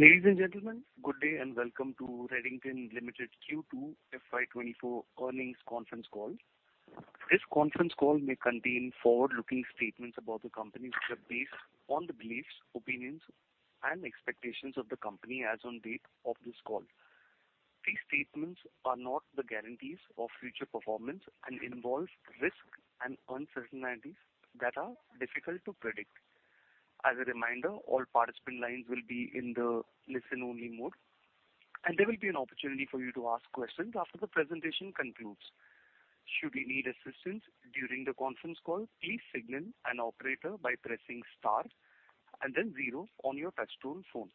Ladies and gentlemen, good day and welcome to Redington Limited Q2 FY 2024 Earnings Conference Call. This conference call may contain forward-looking statements about the company, which are based on the beliefs, opinions, and expectations of the company as on date of this call. These statements are not the guarantees of future performance and involve risks and uncertainties that are difficult to predict. As a reminder, all participant lines will be in the listen-only mode, and there will be an opportunity for you to ask questions after the presentation concludes. Should you need assistance during the conference call, please signal an operator by pressing star and then zero on your touchtone phone.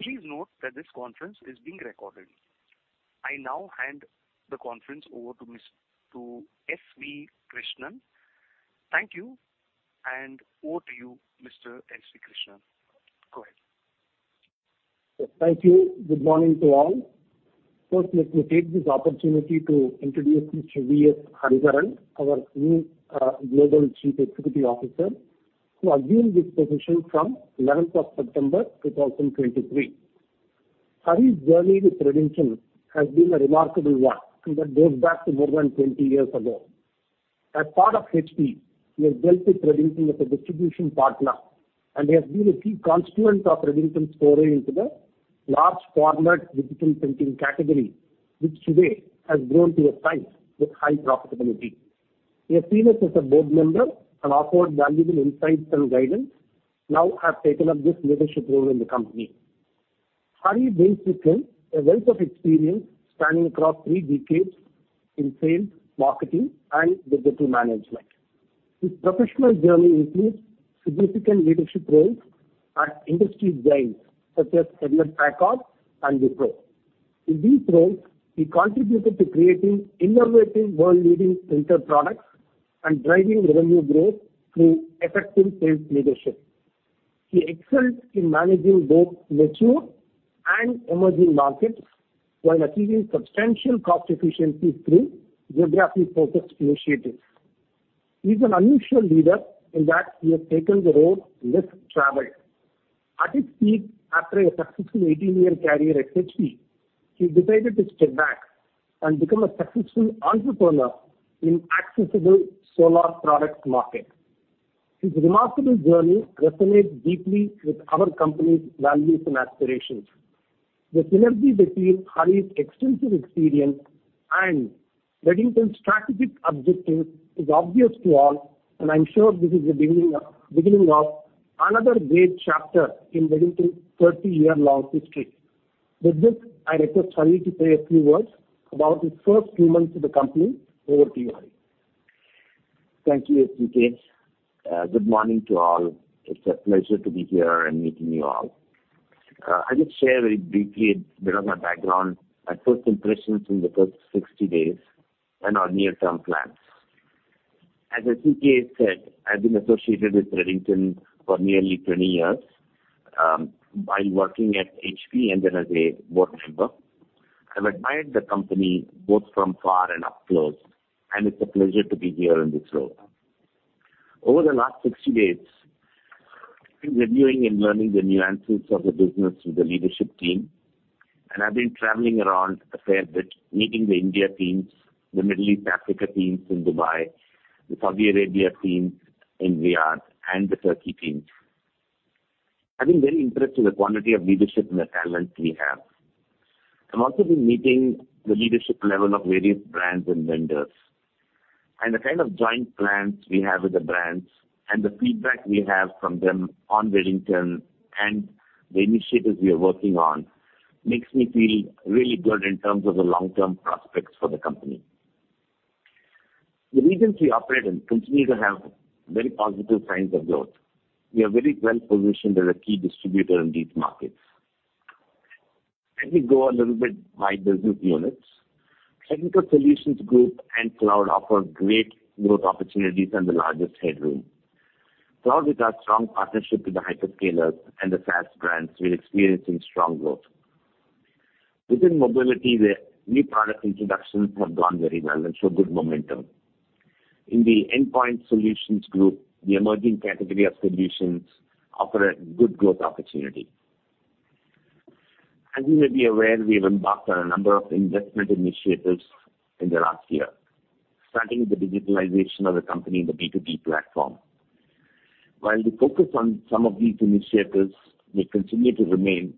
Please note that this conference is being recorded. I now hand the conference over to S.V. Krishnan. Thank you, and over to you, Mr. S.V. Krishnan. Go ahead. Thank you. Good morning to all. First, let me take this opportunity to introduce Mr. V.S. Hariharan, our new Global Chief Executive Officer, who assumed this position from 11th of September 2023. Hari's journey with Redington has been a remarkable one, and that goes back to more than 20 years ago. As part of HP, he has dealt with Redington as a distribution partner and has been a key constituent of Redington's foray into the large format digital printing category, which today has grown to a size with high profitability. He has served as a board member and offered valuable insights and guidance, now has taken up this leadership role in the company. Hari brings with him a wealth of experience spanning across three decades in sales, marketing, and digital management. His professional journey includes significant leadership roles at industry giants such as Hewlett-Packard and GoPro. In these roles, he contributed to creating innovative, world-leading printer products and driving revenue growth through effective sales leadership. He excels in managing both mature and emerging markets while achieving substantial cost efficiencies through geographic focused initiatives. He's an unusual leader in that he has taken the road less traveled. At its peak, after a successful 18-year career at HP, he decided to step back and become a successful entrepreneur in accessible solar products market. His remarkable journey resonates deeply with our company's values and aspirations. The synergy between Hari's extensive experience and Redington's strategic objectives is obvious to all, and I'm sure this is the beginning, beginning of another great chapter in Redington's 30-year-long history. With this, I request Hari to say a few words about his first few months with the company. Over to you, Hari. Thank you, SVK. Good morning to all. It's a pleasure to be here and meeting you all. I'll just share very briefly bit of my background, my first impressions in the first 60 days, and our near-term plans. As SVK said, I've been associated with Redington for nearly 20 years, while working at HP and then as a board member. I've admired the company both from far and up close, and it's a pleasure to be here in this role. Over the last 60 days, I've been reviewing and learning the nuances of the business with the leadership team, and I've been traveling around a fair bit, meeting the India teams, the Middle East, Africa teams in Dubai, the Saudi Arabia teams in Riyadh, and the Turkey teams. I've been very impressed with the quality of leadership and the talent we have. I've also been meeting the leadership level of various brands and vendors, and the kind of joint plans we have with the brands and the feedback we have from them on Redington and the initiatives we are working on, makes me feel really good in terms of the long-term prospects for the company. The regions we operate in continue to have very positive signs of growth. We are very well-positioned as a key distributor in these markets. Let me go a little bit by business units. Technology Solutions Group and Cloud offer great growth opportunities and the largest headroom. Cloud, with our strong partnership with the hyperscalers and the SaaS brands, we're experiencing strong growth. Within Mobility, the new product introductions have gone very well and show good momentum. In the Endpoint Solutions Group, the emerging category of solutions offer a good growth opportunity. As you may be aware, we have embarked on a number of investment initiatives in the last year, starting with the digitalization of the company in the B2B platform. While the focus on some of these initiatives may continue to remain,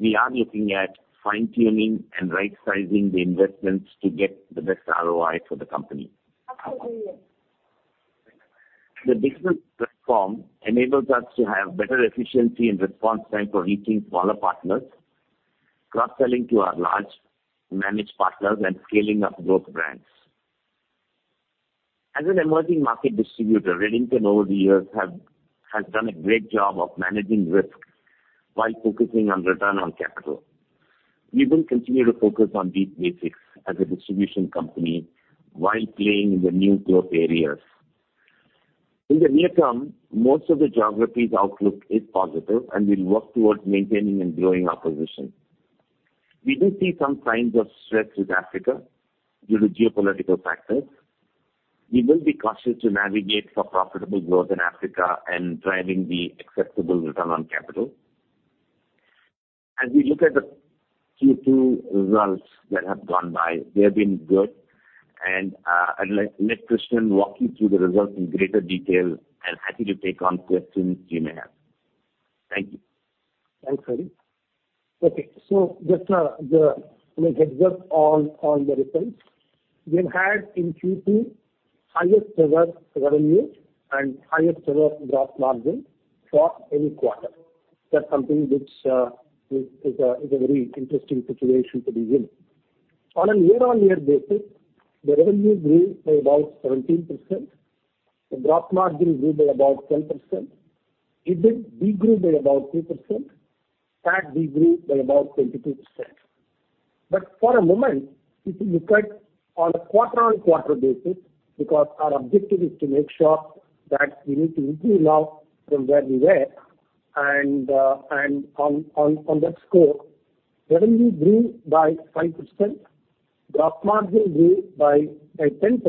we are looking at fine-tuning and right-sizing the investments to get the best ROI for the company. The business platform enables us to have better efficiency and response time for reaching smaller partners, cross-selling to our large managed partners, and scaling up growth brands. As an emerging market distributor, Redington over the years have, has done a great job of managing risk while focusing on return on capital. We will continue to focus on these basics as a distribution company while playing in the new growth areas. In the near term, most of the geographies outlook is positive, and we'll work towards maintaining and growing our position. We do see some signs of stress in Africa due to geopolitical factors. We will be cautious to navigate for profitable growth in Africa and driving the acceptable return on capital. As we look at the Q2 results that have gone by, they have been good, and I'd let Krishnan walk you through the results in greater detail. I'm happy to take on questions you may have. Thank you. Thanks, Hari. Okay, so just the, you know, the results on the results. We've had in Q2 highest ever revenue and highest ever gross margin for any quarter. That's something which is a very interesting situation to be in. On a year-on-year basis, the revenue grew by about 17%, the gross margin grew by about 10%, EBIT grew by about 2%, PAT grew by about 22%. But for a moment, if you look at on a quarter-on-quarter basis, because our objective is to make sure that we need to improve now from where we were, and on that score, revenue grew by 5%, gross margin grew by 10%.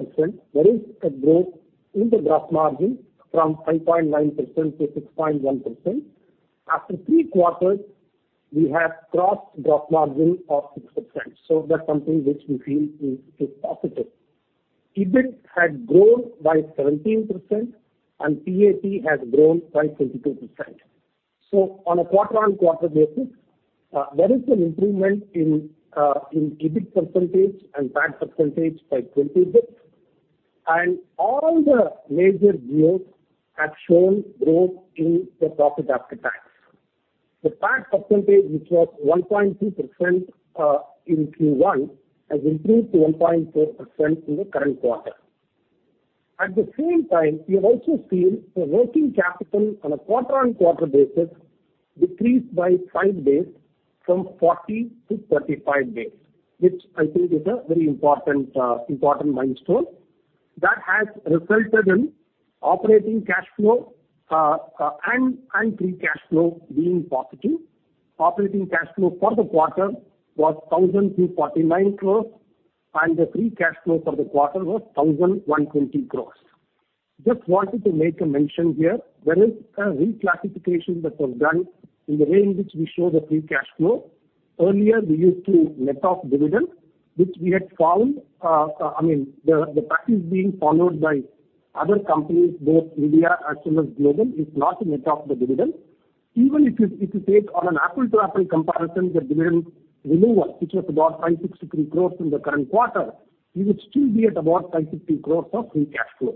There is a growth in the gross margin from 5.9% to 6.1%. After three quarters, we have crossed gross margin of 6%, so that's something which we feel is, is positive. EBIT had grown by 17%, and PAT has grown by 22%. So on a quarter-on-quarter basis, there is an improvement in EBIT percentage and PAT percentage by 20 basis, and all the major geos have shown growth in the profit after tax. The PAT percentage, which was 1.2%, in Q1, has improved to 1.4% in the current quarter. At the same time, we have also seen the working capital on a quarter-on-quarter basis decrease by five days, from 40-35 days, which I think is a very important, important milestone. That has resulted in operating cash flow, and, and free cash flow being positive. Operating cash flow for the quarter was 1,249 crores, and the free cash flow for the quarter was 1,120 crores. Just wanted to make a mention here, there is a reclassification that was done in the way in which we show the free cash flow. Earlier, we used to net off dividend, which we had found, I mean, the practice being followed by other companies, both India as well as global, is not to net off the dividend. Even if you, if you take on an apple-to-apple comparison, the dividend removal, which was about 563 crores in the current quarter, we would still be at about 560 crores of free cash flow.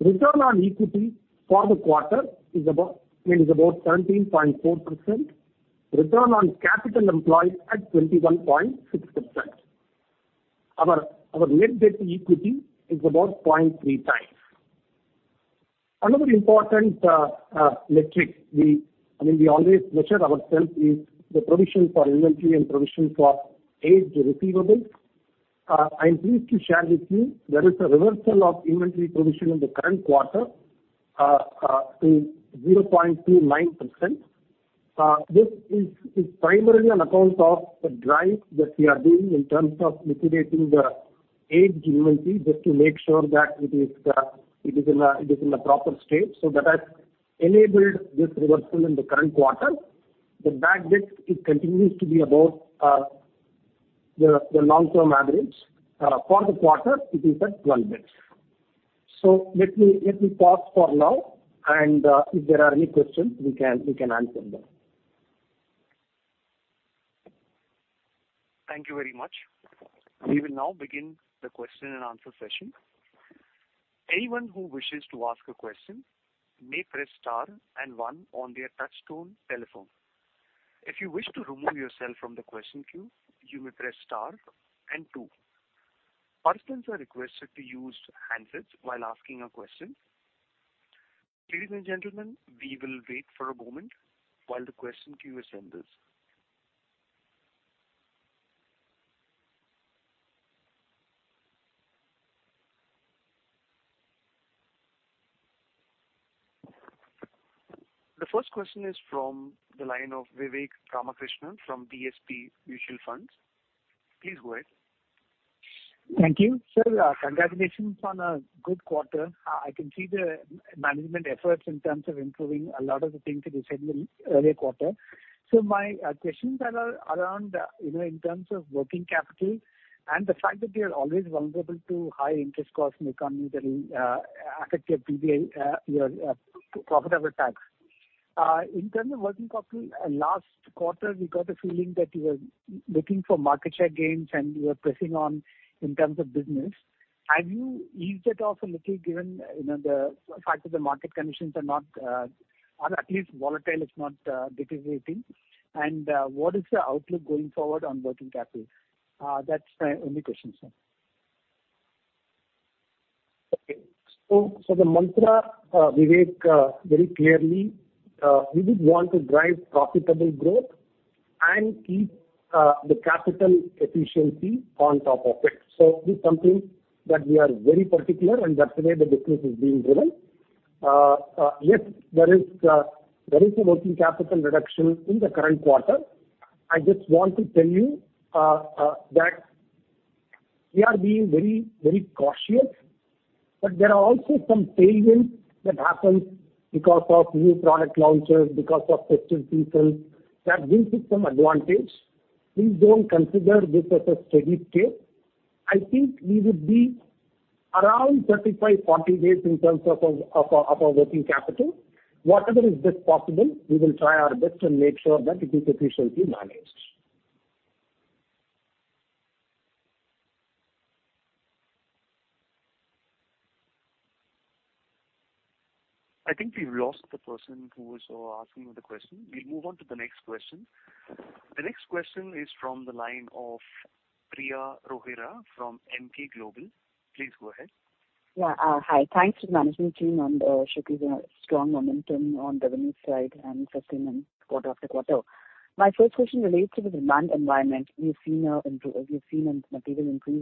Return on equity for the quarter is about, I mean, is about 17.4%. Return on capital employed at 21.6%. Our net debt to equity is about 0.3x. Another important metric we—I mean, we always measure ourselves, is the provision for inventory and provision for aged receivables. I'm pleased to share with you there is a reversal of inventory provision in the current quarter to 0.29%. This is primarily on account of the drive that we are doing in terms of liquidating the aged inventory, just to make sure that it is in a proper state. So that has enabled this reversal in the current quarter. The bad debt, it continues to be about the long-term average. For the quarter, it is at 12 days. Let me pause for now, and if there are any questions, we can answer them. Thank you very much. We will now begin the question-and-answer session. Anyone who wishes to ask a question may press star and one on their touchtone telephone. If you wish to remove yourself from the question queue, you may press star and two. Participants are requested to use handsets while asking a question. Ladies and gentlemen, we will wait for a moment while the question queue assembles. The first question is from the line of Vivek Ramakrishnan from DSP Mutual Funds. Please go ahead. Thank you. Sir, congratulations on a good quarter. I can see the management efforts in terms of improving a lot of the things that you said in the earlier quarter. So my questions are around, you know, in terms of working capital and the fact that you are always vulnerable to high-interest costs in the economy that affect your PBT, your profit before tax. In terms of working capital, last quarter, we got a feeling that you were looking for market share gains and you were pressing on in terms of business. Have you eased it off a little, given, you know, the fact that the market conditions are not, or at least volatile, it's not deteriorating? And what is the outlook going forward on working capital? That's my only question, sir. Okay. So, so the mantra, Vivek, very clearly, we did want to drive profitable growth and keep the capital efficiency on top of it. So this is something that we are very particular, and that's the way the business is being driven. Yes, there is a working capital reduction in the current quarter. I just want to tell you that we are being very, very cautious, but there are also some tailwinds that happen because of new product launches, because of testing people, that gives it some advantage. Please don't consider this as a steady state. I think we would be around 35-40 days in terms of our working capital. Whatever is best possible, we will try our best to make sure that it is efficiently managed. I think we've lost the person who was asking the question. We'll move on to the next question. The next question is from the line of Priya Rohira from Emkay Global. Please go ahead. Yeah. Hi, thanks to the management team, and showcasing a strong momentum on the revenue side and sustaining quarter after quarter. My first question relates to the demand environment. We've seen a material improve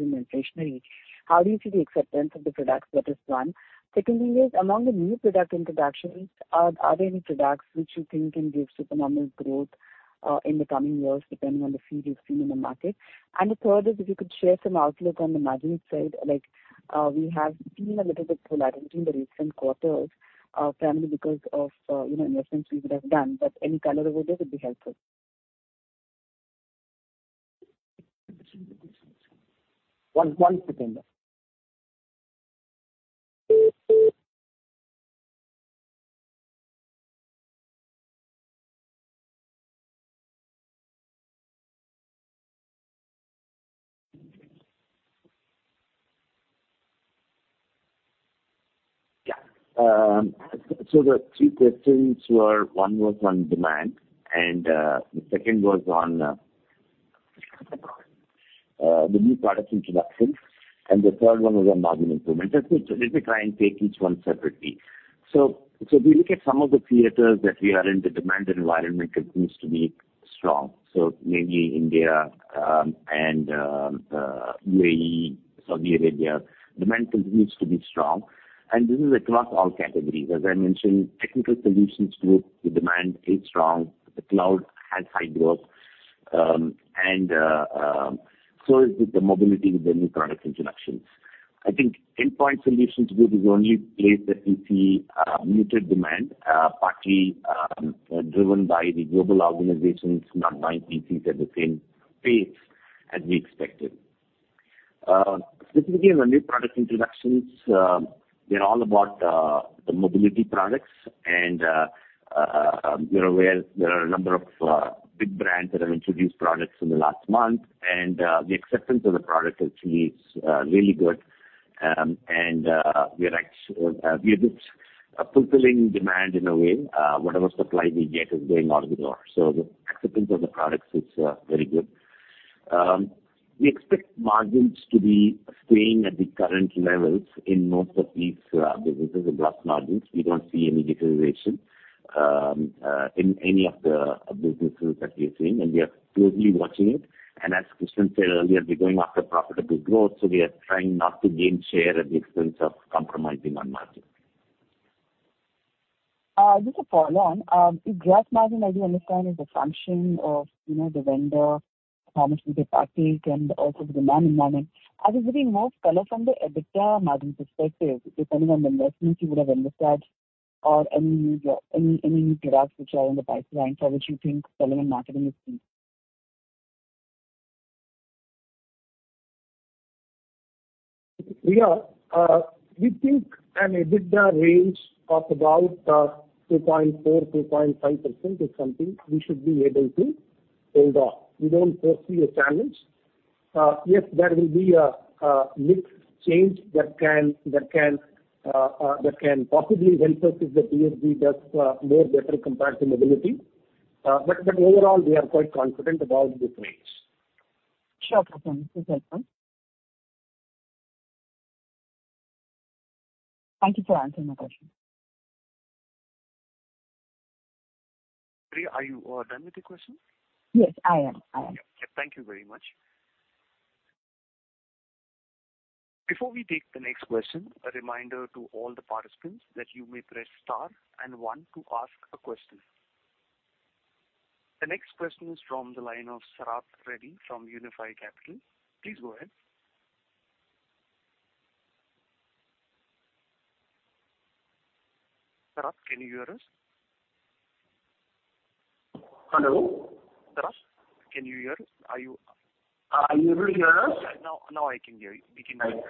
in discretionary. How do you see the acceptance of the products that is done? Secondly is, among the new product introductions, are there any products which you think can give supernormal growth in the coming years, depending on the feed you've seen in the market? And the third is, if you could share some outlook on the margin side, like, we have seen a little bit volatility in the recent quarters, primarily because of, you know, investments we would have done, but any color over there would be helpful. One second. Yeah. So the three questions were, one was on demand, and the second was on the new product introduction, and the third one was on margin improvement. Let me try and take each one separately. So if we look at some of the theaters that we are in, the demand environment continues to be strong. So maybe India and UAE, Saudi Arabia, demand continues to be strong. And this is across all categories. As I mentioned, Technology Solutions Group, the demand is strong, the Cloud has high growth, and so is the Mobility with the new product introductions. I think Endpoint Solutions Group is the only place that we see muted demand, partly driven by the global organizations not buying PCs at the same pace as we expected. Specifically on the new product introductions, they're all about the mobility products, and you're aware there are a number of big brands that have introduced products in the last month, and the acceptance of the product actually is really good. And we are a bit fulfilling demand in a way, whatever supply we get is going out of the door. So the acceptance of the products is very good. We expect margins to be staying at the current levels in most of these businesses, the gross margins. We don't see any deterioration in any of the businesses that we are seeing, and we are closely watching it. As Krishnan said earlier, we're going after profitable growth, so we are trying not to gain share at the expense of compromising on margin. Just a follow on. The gross margin, I do understand, is a function of, you know, the vendor, how much we partake, and also the demand environment. I was getting more color from the EBITDA margin perspective, depending on the investments you would have understood or any products which are in the pipeline for which you think selling and marketing is key. We are, we think an EBITDA range of about 2.4%-2.5% is something we should be able to hold on. We don't foresee a challenge. Yes, there will be a mix change that can possibly help us if the TSG does more better compared to mobility. But overall, we are quite confident about this range. Sure. Okay. Thank you, sir. Thank you for answering my question. Priya, are you done with your question? Yes, I am. Thank you very much. Before we take the next question, a reminder to all the participants that you may press star and one to ask a question. The next question is from the line of Sarath Reddy from Unifi Capital. Please go ahead. Sarath, can you hear us? Hello? Sarath, can you hear us? Are you-- Are you able to hear us? Now, now I can hear you. We can hear you.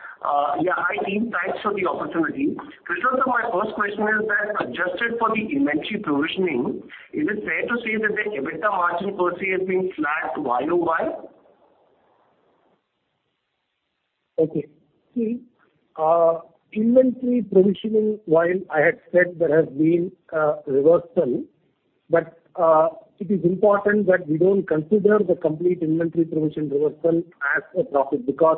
Yeah. Hi, team. Thanks for the opportunity. So my first question is that, adjusted for the inventory provisioning, is it fair to say that the EBITDA margin per se has been flat Y-o-Y? Okay. See, inventory provisioning, while I had said there has been a reversal, but, it is important that we don't consider the complete inventory provision reversal as a profit. Because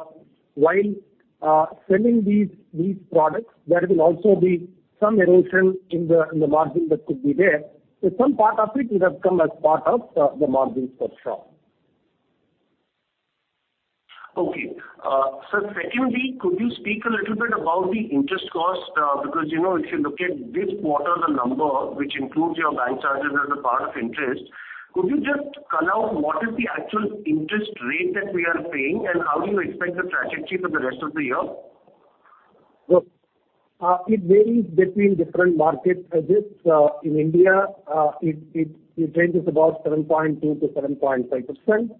while, selling these, these products, there will also be some erosion in the, in the margin that could be there. So some part of it would have come as part of, the margins for sure. Okay. Sir, secondly, could you speak a little bit about the interest cost? Because, you know, if you look at this quarter, the number which includes your bank charges as a part of interest, could you just call out what is the actual interest rate that we are paying, and how do you expect the trajectory for the rest of the year? Look, it varies between different market edges. In India, it the range is about 7.2%-7.5%.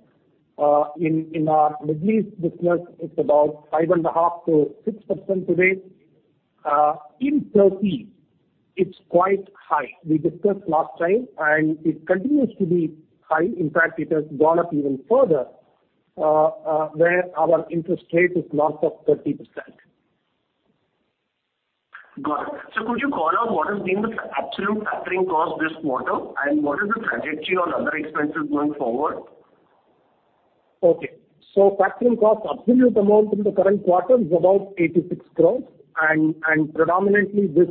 In our Middle East business, it's about 5.5%-6% today. In Turkey, it's quite high. We discussed last time, and it continues to be high. In fact, it has gone up even further, where our interest rate is close to 30%. Got it. Could you call out what has been the absolute factoring cost this quarter, and what is the trajectory on other expenses going forward? Okay. So factoring cost, absolute amount in the current quarter is about 86 crore. And predominantly, this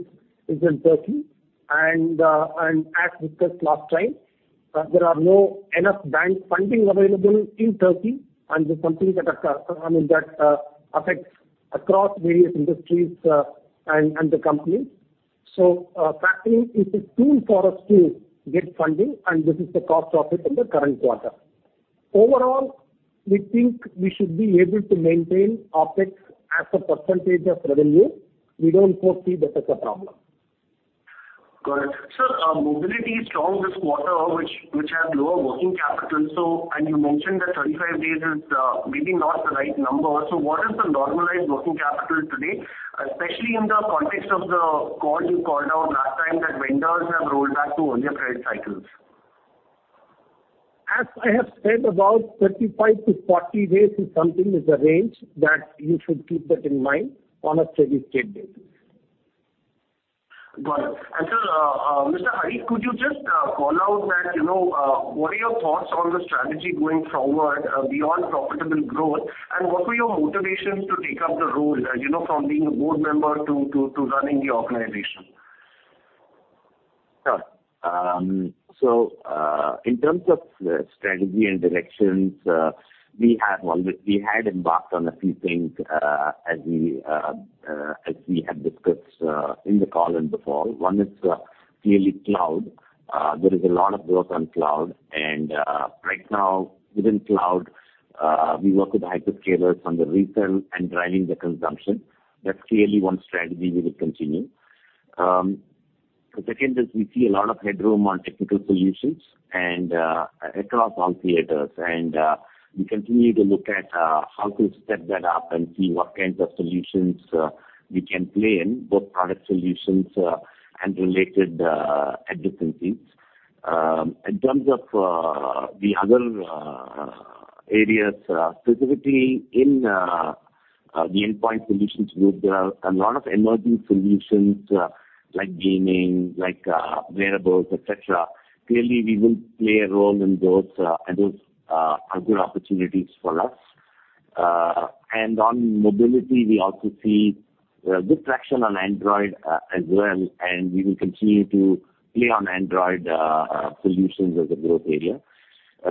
is in Turkey. And as discussed last time, there are no enough bank funding available in Turkey, and the companies that are—I mean, that affects across various industries, and the companies. So factoring is a tool for us to get funding, and this is the cost of it in the current quarter. Overall, we think we should be able to maintain OpEx as a percentage of revenue. We don't foresee that as a problem. Got it. Sir, mobility is strong this quarter, which had lower working capital. You mentioned that 35 days is maybe not the right number. So what is the normalized working capital today, especially in the context of the call you called out last time, that vendors have rolled back to earlier credit cycles? As I have said, about 35-40 days is something is a range that you should keep that in mind on a steady-state basis. Got it. And, sir, Mr. Hari, could you just call out that, you know, what are your thoughts on the strategy going forward, beyond profitable growth? And what were your motivations to take up the role, you know, from being a board member to running the organization? Sure. So, in terms of strategy and directions, we have always—we had embarked on a few things, as we had discussed, in the call and before. One is clearly cloud. There is a lot of work on cloud, and right now, within cloud, we work with hyperscalers on the resell and driving the consumption. That's clearly one strategy we will continue. The second is we see a lot of headroom on technical solutions and across all theaters. And we continue to look at how to step that up and see what kinds of solutions we can play in, both product solutions and related efficiencies. In terms of the other areas, specifically in the Endpoint Solutions Group, there are a lot of emerging solutions, like gaming, like wearables, et cetera. Clearly, we will play a role in those, and those are good opportunities for us. And on Mobility, we also see good traction on Android, as well, and we will continue to play on Android solutions as a growth area.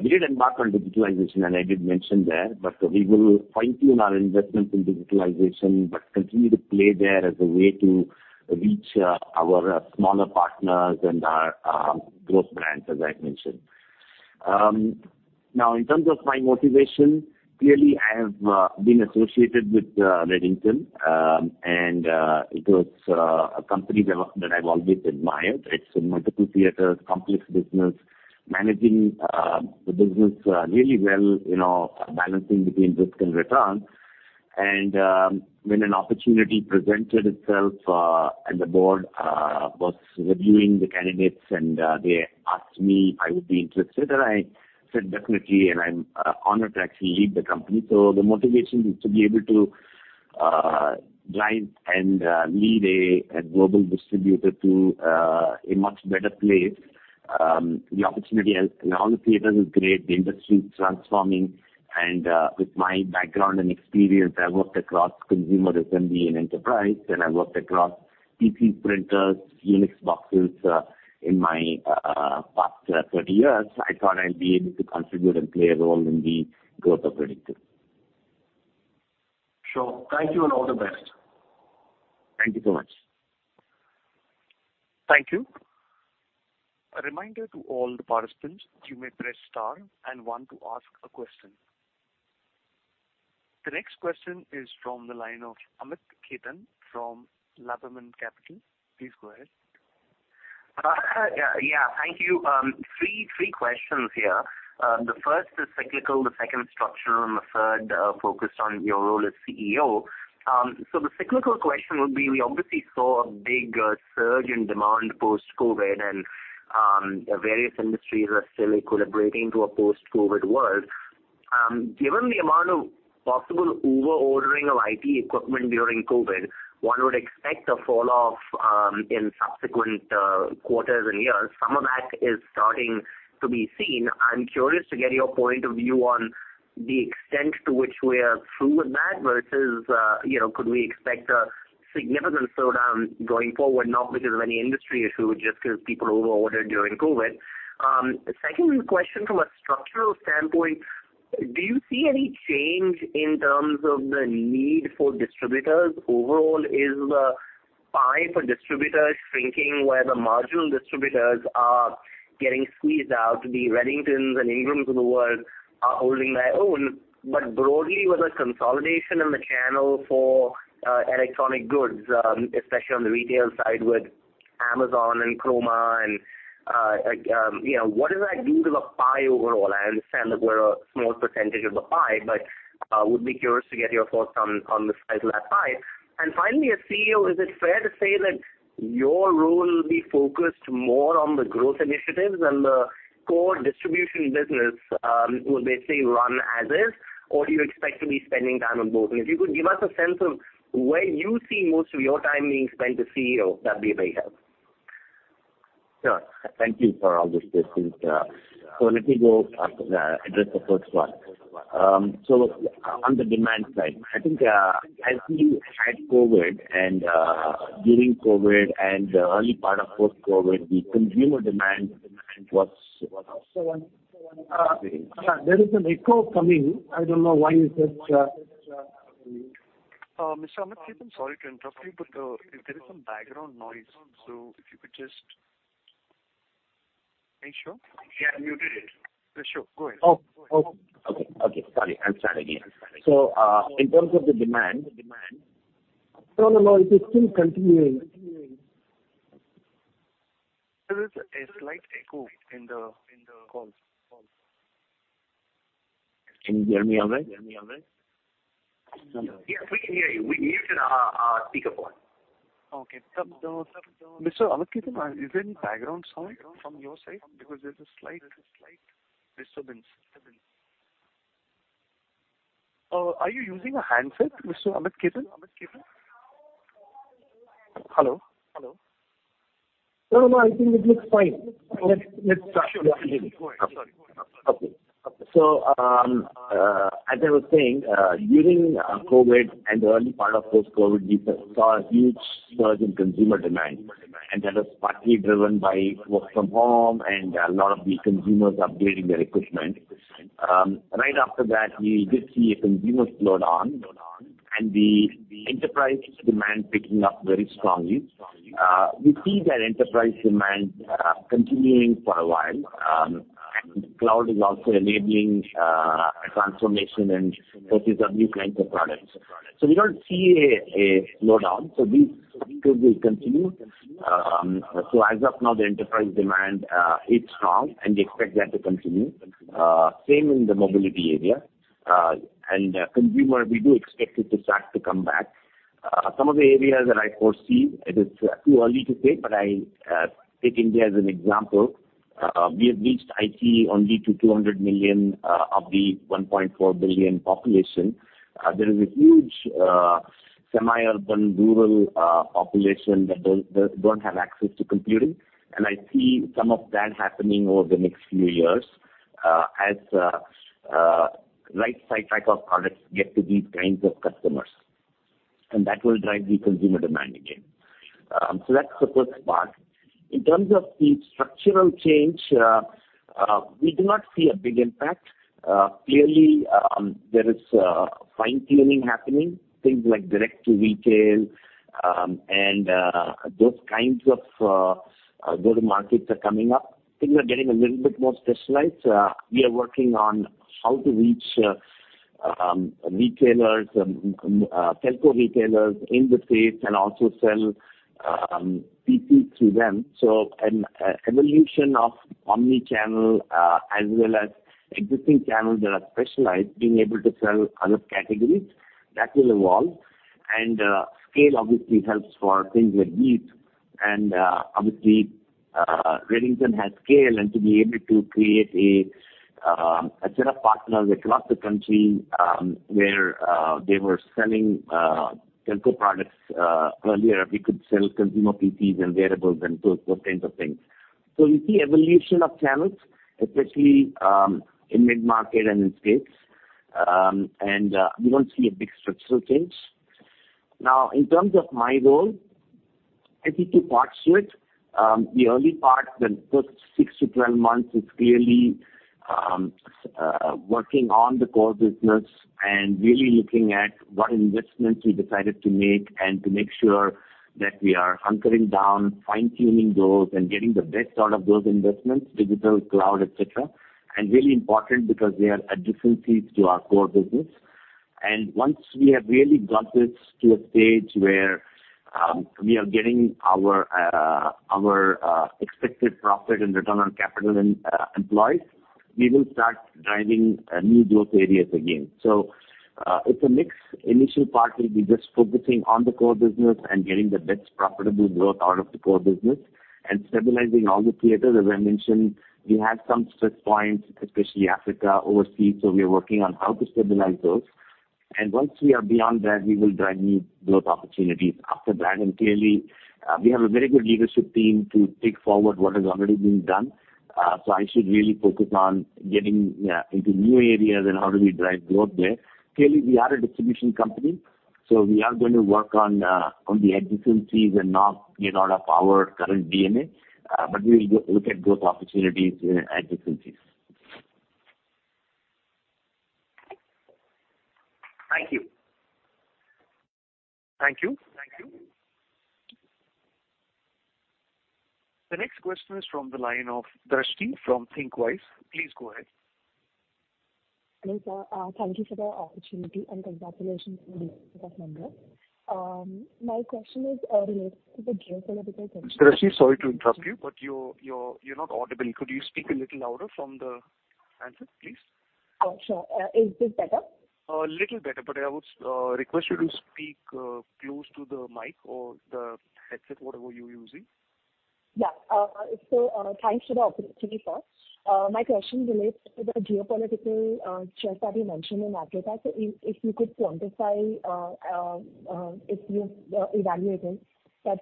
We did embark on digitalization, and I did mention that, but we will fine-tune our investments in digitalization, but continue to play there as a way to reach our smaller partners and our growth brands, as I mentioned. Now, in terms of my motivation, clearly I have been associated with Redington, and it was a company that I've always admired. It's in multiple theaters, complex business, managing the business really well, you know, balancing between risk and return. When an opportunity presented itself, and the board was reviewing the candidates, and they asked me if I would be interested, and I said, "Definitely," and I'm honored to actually lead the company. So the motivation is to be able to drive and lead a global distributor to a much better place. The opportunity as in all the theaters is great, the industry is transforming, and with my background and experience, I worked across consumer, SMB, and enterprise, and I worked across PC printers, Unix boxes, in my past 30 years. I thought I'd be able to contribute and play a role in the growth of Redington. Sure. Thank you, and all the best. Thank you so much. Thank you. A reminder to all the participants, you may press star and one to ask a question. The next question is from the line of Amit Khetan from Laburnum Capital. Please go ahead. Yeah, thank you. Three questions here. The first is cyclical, the second structural, and the third focused on your role as CEO. So the cyclical question would be, we obviously saw a big surge in demand post-COVID, and various industries are still equilibrating to a post-COVID world. Given the amount of possible over-ordering of IT equipment during COVID, one would expect a fall-off in subsequent quarters and years. Some of that is starting to be seen. I'm curious to get your point of view on the extent to which we are through with that versus, you know, could we expect a significant slowdown going forward, not because of any industry issue, just 'cause people over-ordered during COVID? The second question from a structural standpoint. Do you see any change in terms of the need for distributors? Overall, is the pie for distributors shrinking, where the module distributors are getting squeezed out, the Redingtons and Ingrams of the world are holding their own. But broadly, with a consolidation in the channel for electronic goods, especially on the retail side with Amazon and Croma and, like, you know, what does that do to the pie overall? I understand that we're a small percentage of the pie, but would be curious to get your thoughts on the size of that pie. And finally, as CEO, is it fair to say that your role will be focused more on the growth initiatives and the core distribution business will basically run as is, or do you expect to be spending time on both? If you could give us a sense of where you see most of your time being spent as CEO, that'd be a great help. Sure. Thank you for all those questions. So let me address the first one. So on the demand side, I think, as we had COVID and, during COVID, and the early part of post-COVID, the consumer demand was one of the-- There is an echo coming. I don't know why is this-- Mr. Amit, I'm sorry to interrupt you, but there is some background noise. So if you could just-- Are you sure? Yeah, muted it. Sure. Go ahead. Oh, okay. Okay, sorry. I'll start again. So, in terms of the demand-- No, it is still continuing. There is a slight echo in the call. Can you hear me, Amit? Yeah, we can hear you. We muted our speakerphone. Okay. So, Mr. Amit, is there any background sound from your side? Because there's a slight disturbance. Are you using a handset, Mr. Amit Khetan? Hello? Hello. No, no, I think it looks fine. Let's, let's start. Go ahead. I'm sorry. Okay. So, as I was saying, during COVID and the early part of post-COVID, we saw a huge surge in consumer demand, and that was partly driven by work from home and a lot of the consumers upgrading their equipment. Right after that, we did see a consumer slowdown, and the enterprise demand picking up very strongly. We see that enterprise demand continuing for a while. And cloud is also enabling transformation and purchase of new kinds of products. So we don't see a slowdown. So we think it will continue. So as of now, the enterprise demand, it's strong, and we expect that to continue. Same in the mobility area. And consumer, we do expect it to start to come back. Some of the areas that I foresee, it is too early to say, but I take India as an example. We have reached it only to 200 million of the 1.4 billion population. There is a huge semi-urban, rural population that don't, don't have access to computing, and I see some of that happening over the next few years, as right size type of products get to these kinds of customers, and that will drive the consumer demand again. So that's the first part. In terms of the structural change, we do not see a big impact. Clearly, there is fine-tuning happening, things like direct to retail, and those kinds of those markets are coming up. Things are getting a little bit more specialized. We are working on how to reach retailers, telco retailers in the space, and also sell PC to them. So an evolution of omni-channel, as well as existing channels that are specialized, being able to sell other categories, that will evolve. And scale obviously helps for things like these. And obviously Redington has scale, and to be able to create a set of partners across the country, where they were selling telco products earlier, we could sell consumer PCs and wearables and those kinds of things. So we see evolution of channels, especially in mid-market and in states. And we don't see a big structural change. Now, in terms of my role, I see two parts to it. The early part, the first 6-12 months, is clearly working on the core business and really looking at what investments we decided to make and to make sure that we are hunkering down, fine-tuning those, and getting the best out of those investments, digital, cloud, et cetera. And really important, because they are additional fees to our core business. And once we have really got this to a stage where we are getting our expected profit and return on capital employed, we will start driving new growth areas again. So, it's a mix. Initial part will be just focusing on the core business and getting the best profitable growth out of the core business and stabilizing all the theaters. As I mentioned, we had some stress points, especially Africa, overseas, so we are working on how to stabilize those. Once we are beyond that, we will drive new growth opportunities after that. Clearly, we have a very good leadership team to take forward what has already been done. So I should really focus on getting into new areas and how do we drive growth there. Clearly, we are a distribution company-- So we are going to work on the adjacencies and not give out of our current DNA, but we will look at growth opportunities in adjacencies. Thank you. Thank you. Thank you. The next question is from the line of Drashti from Thinqwise. Please go ahead. Hello, sir. Thank you for the opportunity, and congratulations on the number. My question is related to the geopolitical-- Drashti, sorry to interrupt you, but you're not audible. Could you speak a little louder from the handset, please? Sure. Is this better? A little better, but I would request you to speak close to the mic or the headset, whatever you're using. Yeah. So, thanks for the opportunity, sir. My question relates to the geopolitical shifts that you mentioned in Africa. So if you could quantify if you've evaluated that,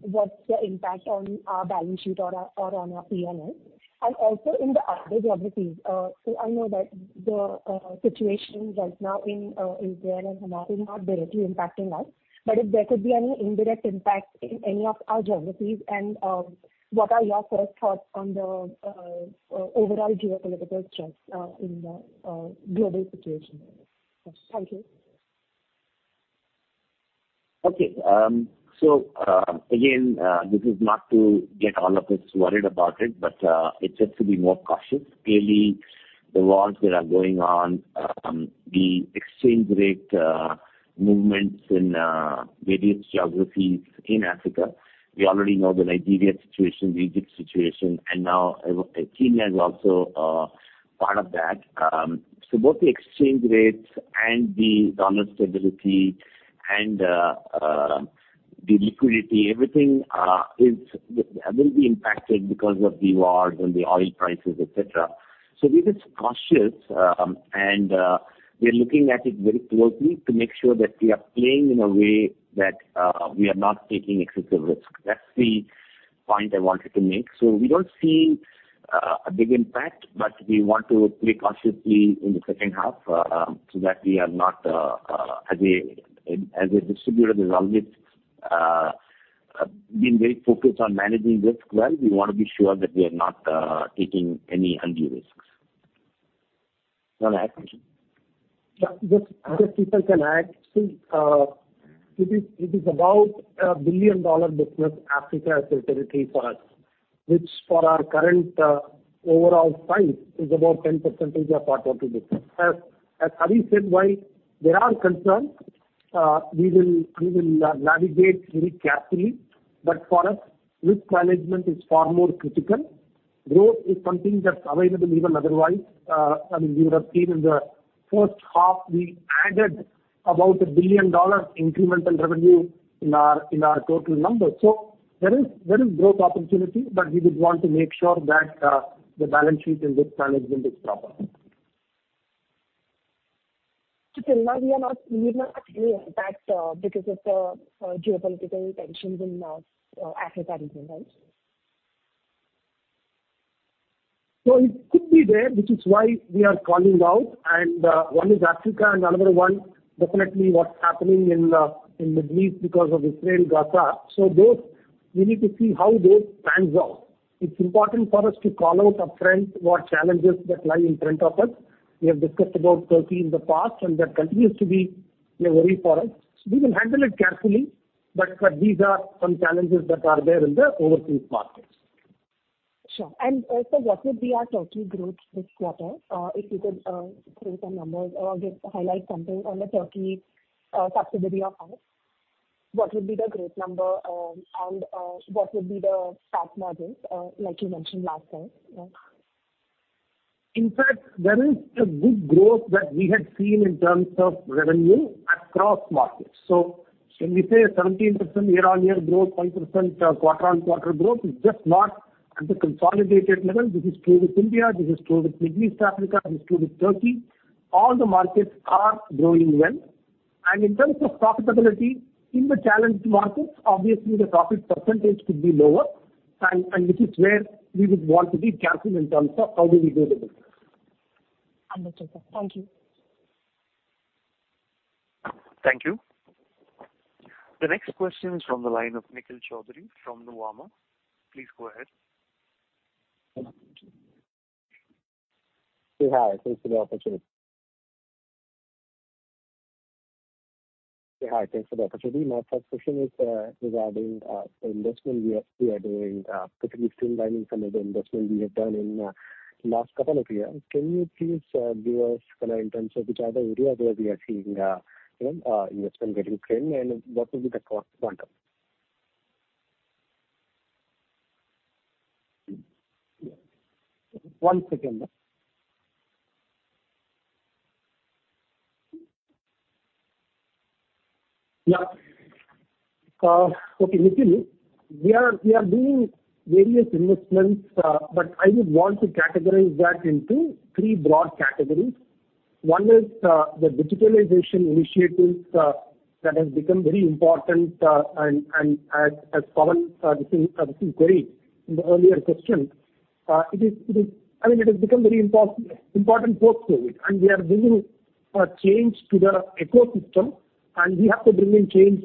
what's the impact on our balance sheet or on our P&L? And also in the other geographies, so I know that the situation right now in Israel and Hamas is not directly impacting us, but if there could be any indirect impact in any of our geographies, and what are your first thoughts on the overall geopolitical shifts in the global situation? Thank you. Okay. So, again, this is not to get all of us worried about it, but it's just to be more cautious. Clearly, the wars that are going on, the exchange rate movements in various geographies in Africa. We already know the Nigeria situation, the Egypt situation, and now Kenya is also part of that. So both the exchange rates and the dollar stability and the liquidity, everything, will be impacted because of the wars and the oil prices, et cetera. So we're just cautious, and we are looking at it very closely to make sure that we are playing in a way that we are not taking excessive risk. That's the point I wanted to make. So we don't see a big impact, but we want to play cautiously in the second half, so that we are not, as a distributor, there's always being very focused on managing risk well. We want to be sure that we are not taking any undue risks. You want to add, Krish? Yeah. Just if I can add, see, it is about $1 billion business, Africa as a territory for us, which for our current, overall size, is about 10% of our total business. As, as Hari said, while there are concerns, we will, we will navigate very carefully, but for us, risk management is far more critical. Growth is something that's available even otherwise. I mean, you would have seen in the first half, we added about $1 billion incremental revenue in our total numbers. So there is, there is growth opportunity, but we would want to make sure that, the balance sheet and risk management is proper. So till now we are not, we are not seeing impact because of the geopolitical tensions in Africa region, right? So it could be there, which is why we are calling out, and, one is Africa, and another one definitely what's happening in the Middle East because of Israel and Gaza. So those, we need to see how those pans out. It's important for us to call out upfront what challenges that lie in front of us. We have discussed about Turkey in the past, and that continues to be a worry for us. So we will handle it carefully, but, but these are some challenges that are there in the overseas markets. Sure. And, sir, what would be our Turkey growth this quarter? If you could, give some numbers or give highlight something on the Turkey subsidiary of ours. What would be the growth number, and what would be the Turkey margins, like you mentioned last time? In fact, there is a good growth that we had seen in terms of revenue across markets. So when we say 17% year-on-year growth, 10% quarter-on-quarter growth, is just not at the consolidated level. This is true with India, this is true with Middle East, Africa, this is true with Turkey. All the markets are growing well. And in terms of profitability, in the challenged markets, obviously the profit percentage could be lower, and this is where we would want to be careful in terms of how do we do the business. Understood, sir. Thank you. Thank you. The next question is from the line of Nikhil Choudhary from Nuvama. Please go ahead. Hi, thanks for the opportunity. My first question is regarding the investment we are doing, particularly streamlining some of the investment we have done in the last couple of years. Can you please give us kind of in terms of which are the areas where we are seeing, you know, investment getting trimmed, and what will be the cost quantum? One second. Yeah. Okay, Nikhil, we are doing various investments, but I would want to categorize that into three broad categories. One is the digitalization initiatives that has become very important, and as common this inquiry in the earlier question. It is, I mean, it has become very important for us, and we are bringing a change to the ecosystem, and we have to bring in change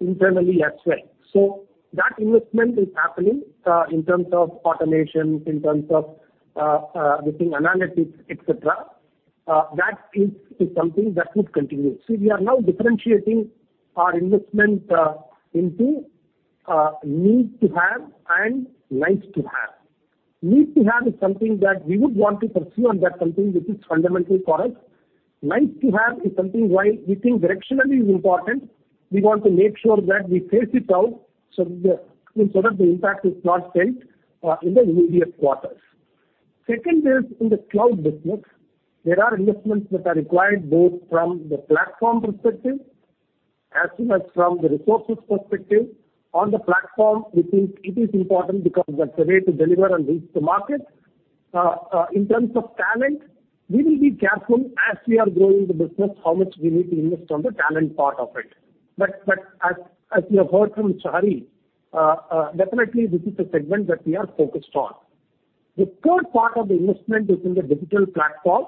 internally as well. So that investment is happening in terms of automation, in terms of within analytics, et cetera, that is something that would continue. See, we are now differentiating our investment into need to have and nice to have. Need to have is something that we would want to pursue on that something which is fundamental for us. Nice to have is something while we think directionally is important, we want to make sure that we phase it out, so that the impact is not felt in the immediate quarters. Second is in the Cloud business. There are investments that are required both from the platform perspective as well as from the resources perspective. On the platform, we think it is important because that's the way to deliver and reach the market. In terms of talent, we will be careful as we are growing the business, how much we need to invest on the talent part of it. But as you have heard from Hari, definitely this is a segment that we are focused on. The third part of the investment is in the digital platform.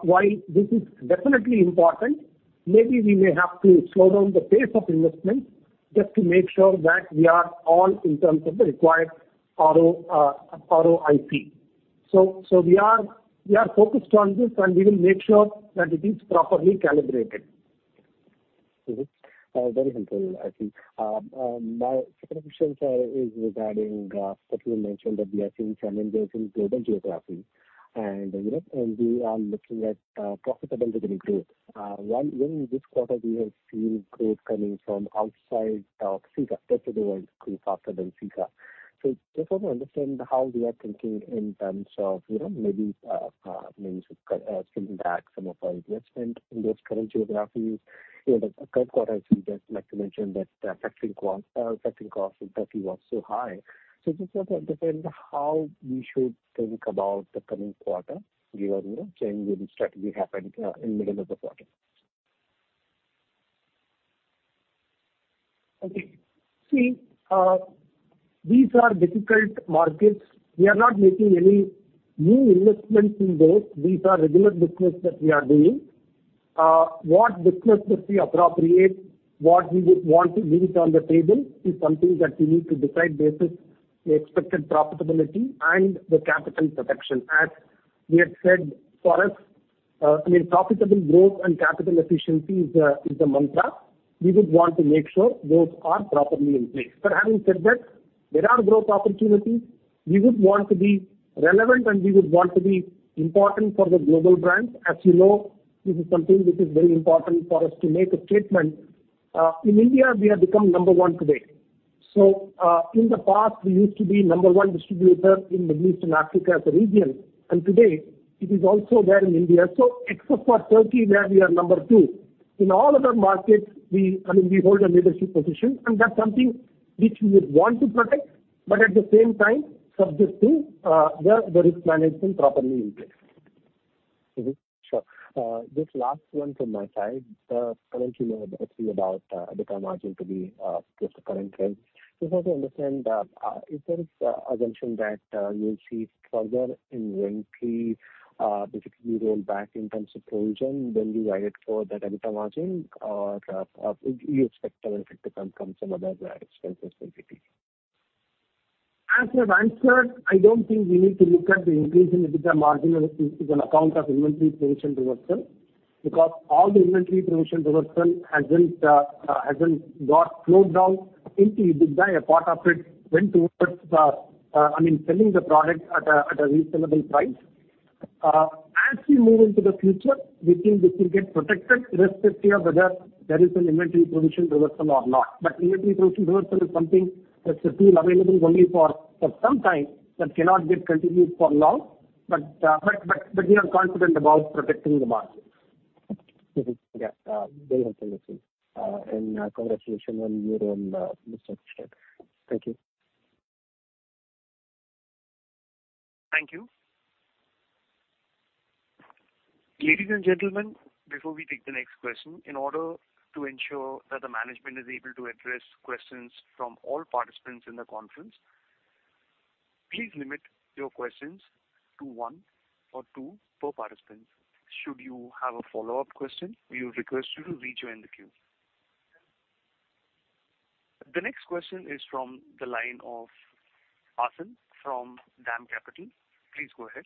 While this is definitely important, maybe we may have to slow down the pace of investment just to make sure that we are all in terms of the required ROIC. So, we are focused on this, and we will make sure that it is properly calibrated. Very helpful, I think. My second question, sir, is regarding that you mentioned that we are seeing challenges in global geographies and, you know, and we are looking at profitability growth. One, in this quarter, we have seen growth coming from outside of SISA. Rest of the World grew faster than SISA. So just want to understand how we are thinking in terms of, you know, maybe trimming back some of our investment in those current geographies. You know, the third quarter, as you just like to mention, that the factoring cost, factoring cost in Turkey was so high. So just want to understand how we should think about the coming quarter, given the change in strategy happened in the middle of the quarter. Okay. See, these are difficult markets. We are not making any new investments in those. These are regular business that we are doing. What business that we appropriate, what we would want to leave it on the table is something that we need to decide basis the expected profitability and the capital protection. As we had said, for us, I mean, profitable growth and capital efficiency is the, is the mantra. We would want to make sure those are properly in place. But having said that, there are growth opportunities. We would want to be relevant, and we would want to be important for the global brands. As you know, this is something which is very important for us to make a statement. In India, we have become number one today. In the past, we used to be number one distributor in the Middle East and Africa as a region, and today it is also there in India. Except for Turkey, where we are number two, in all other markets, we, I mean, we hold a leadership position, and that's something which we would want to protect, but at the same time, subject to the risk management properly in place. Sure. This last one from my side. Currently, you know, about EBITDA margin to be just the current trend. Just want to understand if there is assumption that you'll see further in inventory basically roll back in terms of provision, then we write it for that EBITDA margin, or you expect that effect to come from some other expense flexibility? As I've answered, I don't think we need to look at the increase in EBITDA margin as an account of inventory provision reversal, because all the inventory provision reversal hasn't got flowed down into EBITDA. A part of it went towards, I mean, selling the product at a reasonable price. As we move into the future, we think this will get protected, irrespective of whether there is an inventory provision reversal or not. But inventory provision reversal is something that's still available only for some time, that cannot get continued for long. But we are confident about protecting the margins. Yeah. Very helpful, thank you. And congratulations on this quarter. Thank you. Thank you. Ladies and gentlemen, before we take the next question, in order to ensure that the management is able to address questions from all participants in the conference, please limit your questions to one or two per participant. Should you have a follow-up question, we would request you to rejoin the queue. The next question is from the line of Aasim from DAM Capital. Please go ahead.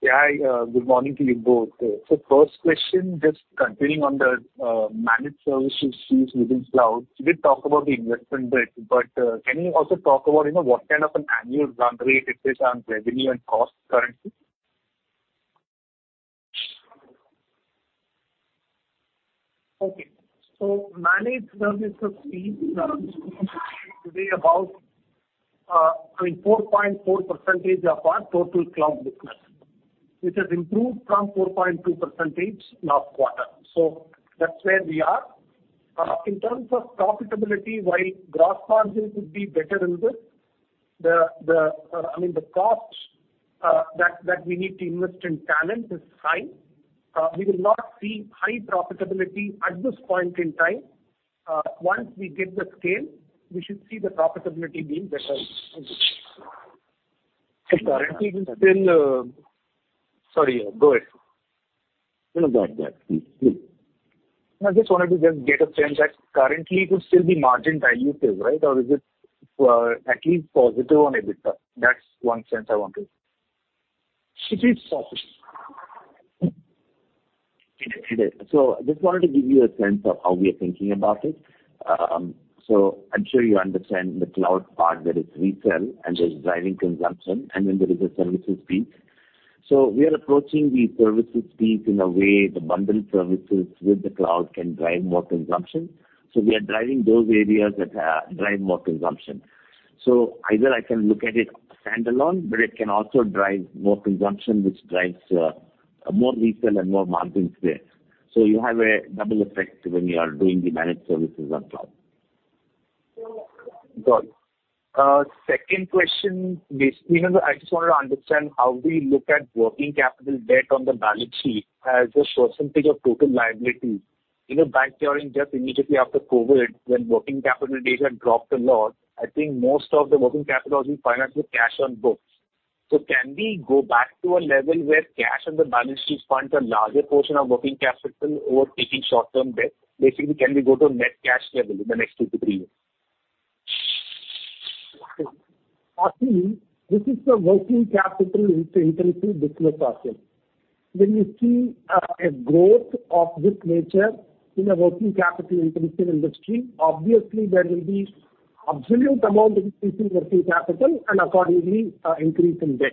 Yeah, hi, good morning to you both. First question, just continuing on the managed services fees within cloud. You did talk about the investment bit, but can you also talk about, you know, what kind of an annual run rate it is on revenue and cost currently? Okay. So managed services fee today about, I mean, 4.4% of our total cloud business, which has improved from 4.2% last quarter. So that's where we are. In terms of profitability, while gross margins would be better in this, the cost that we need to invest in talent is high. We will not see high profitability at this point in time. Once we get the scale, we should see the profitability being better. Currently, we still, sorry, go ahead. No, go ahead, please. I just wanted to just get a sense that currently it will still be margin dilutive, right? Or is it, at least positive on EBITDA? That's one sense I wanted. It is positive. It is. So I just wanted to give you a sense of how we are thinking about it. So I'm sure you understand the cloud part, there is retail and there's driving consumption, and then there is a services piece. So we are approaching the services piece in a way, the bundled services with the cloud can drive more consumption. So we are driving those areas that drive more consumption. So either I can look at it standalone, but it can also drive more consumption, which drives more retail and more margins there. So you have a double effect when you are doing the managed services on cloud. Got it. Second question, basically, I just wanted to understand how we look at working capital debt on the balance sheet as a percentage of total liability. In the past during just immediately after COVID, when working capital days had dropped a lot, I think most of the working capital was financed with cash on books. So can we go back to a level where cash on the balance sheet funds a larger portion of working capital over taking short-term debt? Basically, can we go to a net cash level in the next two-three years? Actually, this is the working capital intensity business per se. When you see a growth of this nature in a working capital-intensive industry, obviously there will be absolute amount of increasing working capital and accordingly, increase in debt.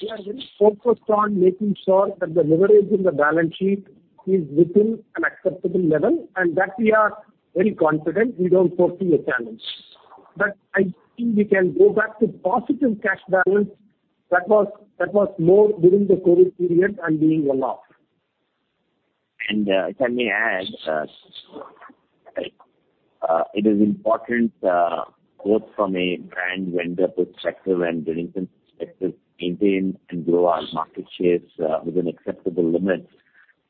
We are very focused on making sure that the leverage in the balance sheet is within an acceptable level, and that we are very confident we don't foresee a challenge. But I think we can go back to positive cash balance. That was more during the COVID period and being a lot. Can I add, it is important, both from a brand vendor perspective and Redington perspective, maintain and grow our market shares, within acceptable limits.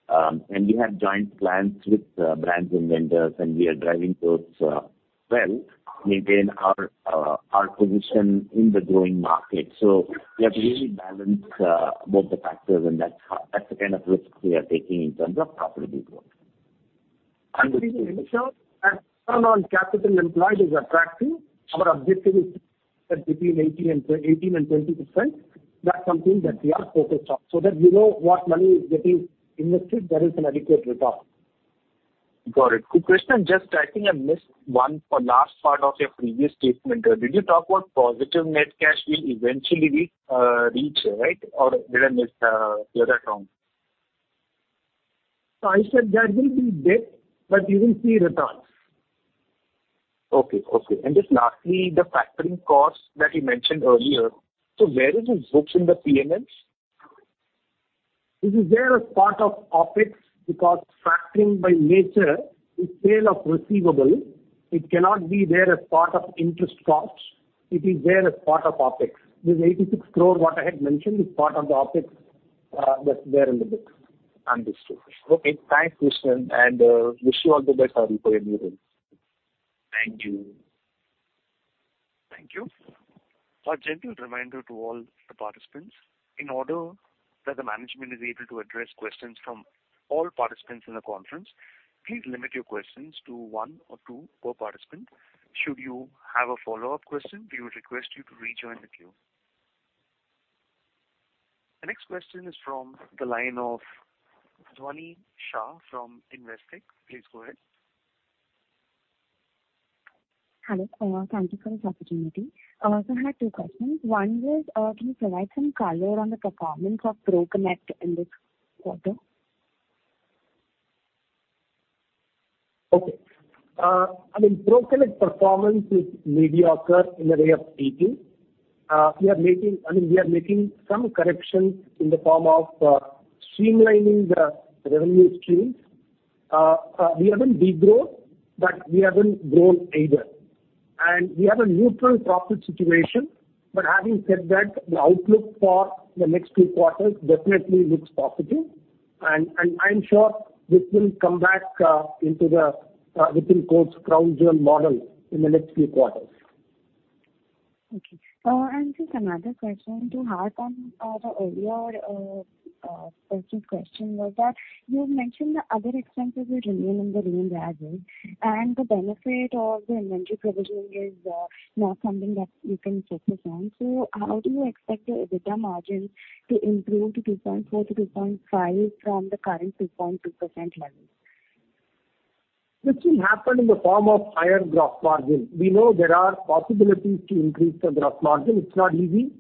And we have joint plans with brands and vendors, and we are driving those, well, maintain our position in the growing market. So we have to really balance both the factors, and that's the kind of risk we are taking in terms of profitability growth. Return on capital employed is attractive. Our objective is between 18% and 20%. That's something that we are focused on, so that we know what money is getting invested, there is an adequate return. Got it. Krishnan, just I think I missed one or last part of your previous statement. Did you talk about positive net cash will eventually be reached, right? Or did I mishear that wrong? I said there will be debt, but you will see returns. Okay. And just lastly, the factoring costs that you mentioned earlier, so where is it booked in the P&Ls? It is there as part of OpEx, because factoring by nature is sale of receivable. It cannot be there as part of interest costs. It is there as part of OpEx. This 86 crore, what I had mentioned, is part of the OpEx, that's there in the book. Understood. Okay, thanks, Krishnan, and wish you all the best for your new role. Thank you. Thank you. A gentle reminder to all the participants, in order that the management is able to address questions from all participants in the conference, please limit your questions to one or two per participant. Should you have a follow-up question, we would request you to rejoin the queue. The next question is from the line of Dhvani Shah from Investec. Please go ahead. Hello, thank you for this opportunity. I also had two questions. One was, can you provide some color on the performance of ProConnect in this quarter? Okay. I mean, ProConnect performance is mediocre in the way of speaking. We are making—I mean, we are making some corrections in the form of streamlining the revenue streams. We haven't degrown, but we haven't grown either. And we have a neutral profit situation. But having said that, the outlook for the next two quarters definitely looks positive. And I'm sure this will come back into the, within quotes, growth zone model in the next few quarters. Okay. And just another question to harp on, the earlier, first question was that you had mentioned the other expenses would remain in the range as is, and the benefit of the inventory provisioning is, not something that you can focus on. So how do you expect the EBITDA margin to improve to 2.4%-2.5% from the current 2.2% level? This will happen in the form of higher gross margin. We know there are possibilities to increase the gross margin. It's not easy,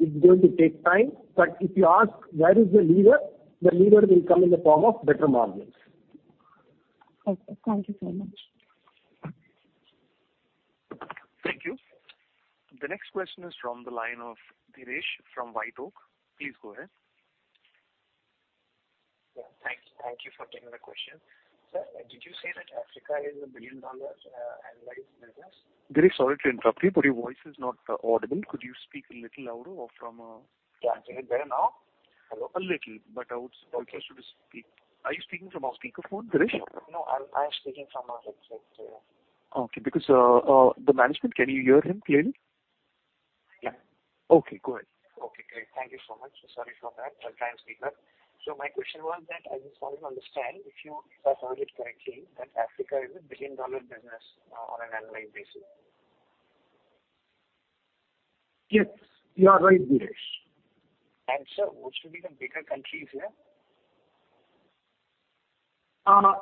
it's going to take time, but if you ask where is the lever? The lever will come in the form of better margins. Okay. Thank you so much. Thank you. The next question is from the line of Girish from WhiteOak. Please go ahead. Thank you for taking the question. Sir, did you say that Africa is a $1 billion annualized business? Very sorry to interrupt you, but your voice is not audible. Could you speak a little louder or from, Yeah, is it better now? Hello. A little, but I would request you to speak. Are you speaking from a speakerphone, Girish? No, I'm speaking from a headset, sir. Okay, because the management, can you hear him clearly? Yeah. Okay, go ahead. Okay, great. Thank you so much. Sorry for that. I'll try and speak. So my question was that I just want to understand, if you, if I heard it correctly, that Africa is $1 billion business on an annual basis. Yes, you are right, Girish. Sir, what should be the bigger countries there?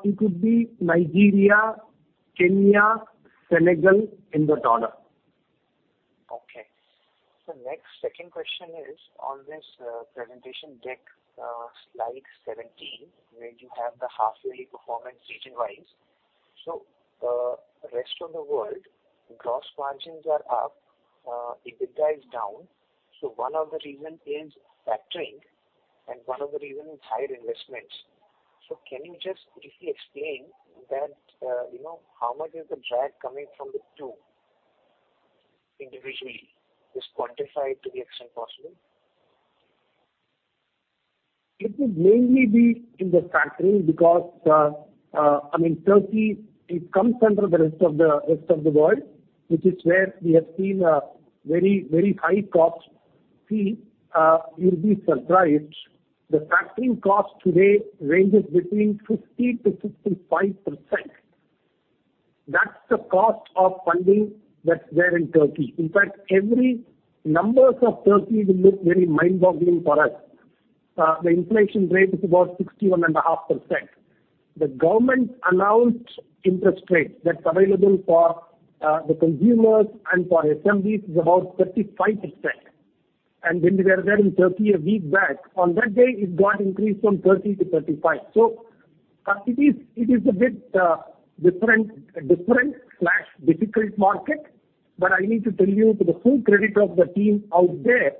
It could be Nigeria, Kenya, Senegal, in that order. Okay. So next, second question is on this, presentation deck, slide 17, where you have the halfway performance region-wise. So, Rest of the World, gross margins are up, EBITDA is down. So one of the reason is factoring, and one of the reason is higher investments. So can you just briefly explain that, you know, how much is the drag coming from the two individually? Just quantify it to the extent possible. It would mainly be in the factoring because, I mean, Turkey, it comes under the Rest of the World, which is where we have seen a very, very high cost fee. You'll be surprised, the factoring cost today ranges between 50%-55%. That's the cost of funding that's there in Turkey. In fact, every numbers of Turkey will look very mind-boggling for us. The inflation rate is about 61.5%. The government announced interest rate that's available for the consumers and for SMB is about 35%. And when we were there in Turkey a week back, on that day, it got increased from 30%-35%. So it is a bit different, difficult market. But I need to tell you, to the full credit of the team out there,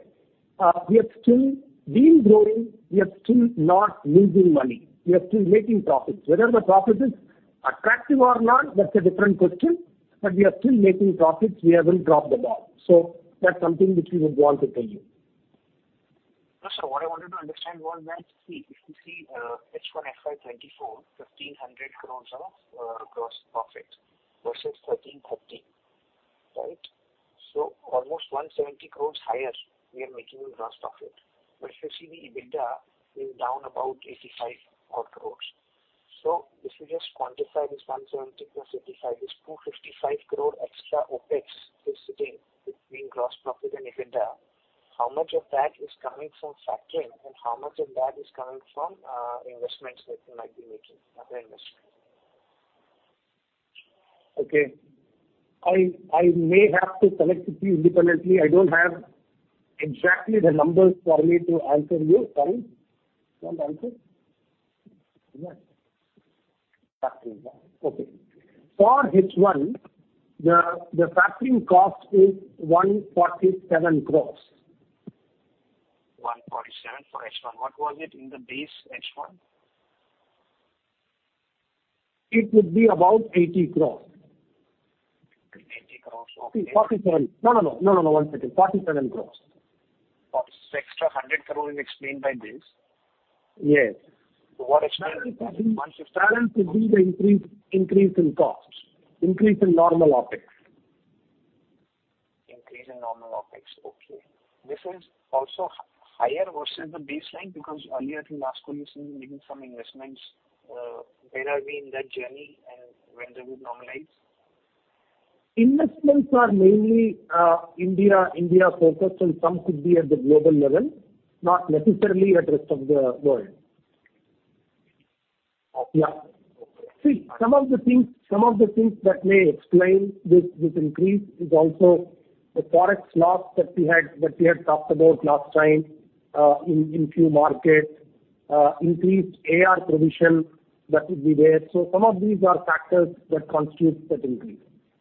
we have still been growing, we are still not losing money. We are still making profits. Whether the profit is attractive or not, that's a different question, but we are still making profits. We haven't dropped the ball. So that's something which we would want to tell you. So what I wanted to understand was that, see, if you see, H1 FY 2024, 1,500 crore of gross profit versus 1,330, right? So almost 170 crore higher, we are making in gross profit. But if you see the EBITDA is down about 85 crore. So if you just quantify this 170 crore + 85 crore, is 255 crore extra OpEx is sitting between gross profit and EBITDA. How much of that is coming from factoring and how much of that is coming from investments that you might be making, other investments? Okay. I may have to collect it independently. I don't have exactly the numbers for me to answer you. Sorry. You want me to answer? Yeah. Okay. For H1, the factoring cost is 147 crore. 147 crore for H1. What was it in the base H1? It would be about 80 crore. 80 crore, okay. 47 crores. No, no, no. One second. 47 crores. Extra 100 crore is explained by this? Yes. What is-- Balance would be the increase, increase in cost, increase in normal OpEx. Increase in normal OpEx, okay. This is also higher versus the baseline, because earlier in last call, you said you're making some investments. Where are we in that journey and when they would normalize? Investments are mainly India, India-focused, and some could be at the global level, not necessarily at Rest of the World. See, some of the things that may explain this increase is also the Forex loss that we had talked about last time in few markets, increased AR provision that would be there. So some of these are factors that constitute that increase.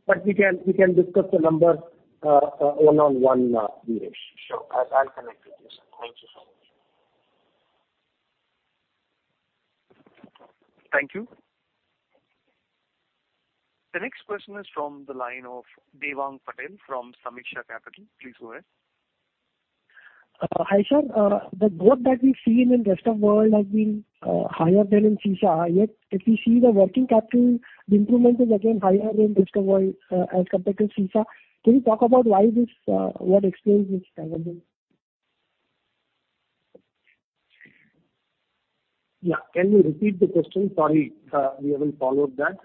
But we can discuss the numbers one on one, Girish. Sure. I'll connect with you, sir. Thank you so much. Thank you. The next question is from the line of Devang Patel from Sameeksha Capital. Please go ahead. Hi, sir. The growth that we've seen in rest of world has been higher than in SISA. Yet, if you see the working capital, the improvement is again higher than rest of world, as compared to SISA. Can you talk about why this, what explains this dynamic? Yeah. Can you repeat the question? Sorry, we haven't followed that.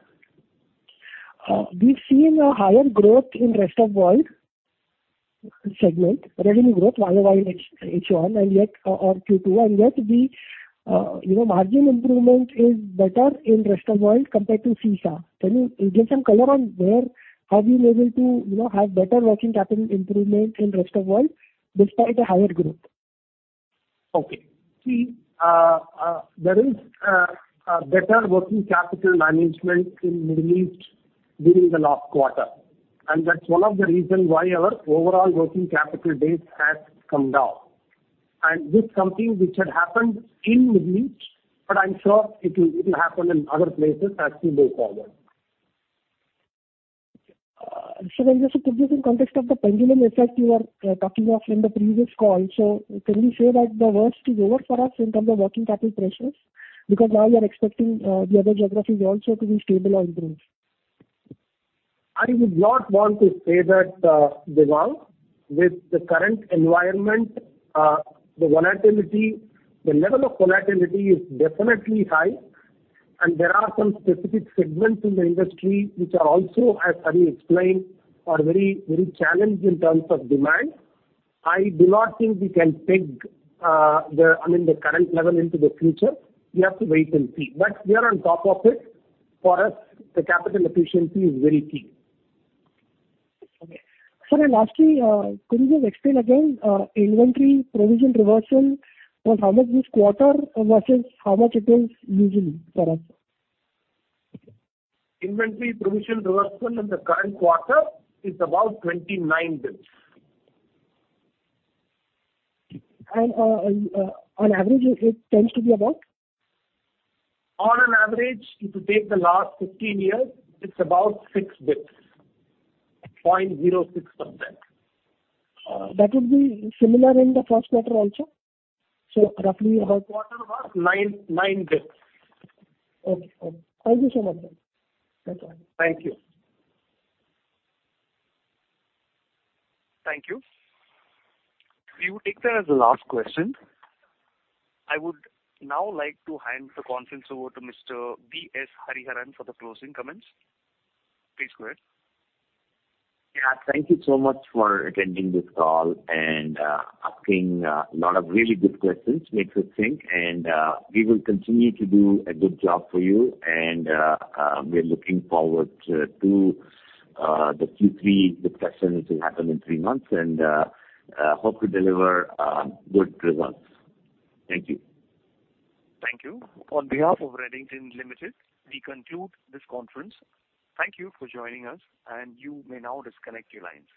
We've seen a higher growth in rest of world segment, revenue growth Y-o-Y, H1 or Q2, and yet the, you know, margin improvement is better in rest of world compared to SISA. Can you give some color on where have you been able to, you know, have better working capital improvement in rest of world despite a higher growth? Okay. See, there is a better working capital management in Middle East during the last quarter. And that's one of the reasons why our overall working capital days has come down. And this is something which had happened in Middle East, but I'm sure it will, it will happen in other places as we go forward. So then just to put this in context of the pendulum effect you were talking of in the previous call. So can we say that the worst is over for us in terms of working capital pressures? Because now you are expecting the other geographies also to be stable or improve. I would not want to say that, Devang. With the current environment, the volatility, the level of volatility is definitely high, and there are some specific segments in the industry which are also, as Hari explained, are very, very challenged in terms of demand. I do not think we can take, I mean, the current level into the future. We have to wait and see. But we are on top of it. For us, the capital efficiency is very key. Okay. Sir, and lastly, could you just explain again, inventory provision reversal, and how much this quarter versus how much it is usually for us? Inventory provision reversal in the current quarter is about 29 basis points. And, on average, it tends to be about? On an average, if you take the last 15 years, it's about 6 basis points, 0.06%. That would be similar in the first quarter also? So roughly about-- First quarter was 99 basis points. Okay. Thank you so much. That's all. Thank you. Thank you. We will take that as the last question. I would now like to hand the conference over to Mr. V.S. Hariharan for the closing comments. Please go ahead. Yeah, thank you so much for attending this call and asking a lot of really good questions, made to think. We will continue to do a good job for you, and we're looking forward to the Q3 discussion, which will happen in three months, and hope to deliver good results. Thank you. Thank you. On behalf of Redington Limited, we conclude this conference. Thank you for joining us, and you may now disconnect your lines.